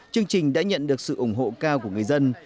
chương trình đã nhận được sự ủng hộ cao của người dân